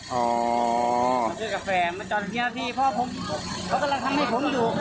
มาซื้อกาแฟมาจอด๑๐นาทีเพราะว่าเขากำลังทำให้ผมอยู่